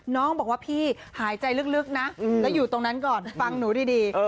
น้องบอกว่าพี่หายใจลึกนะแล้วอยู่ตรงนั้นก่อนฟังหนูดี